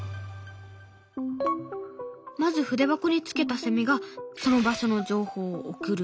まず筆箱につけたセミがその場所の情報を送る。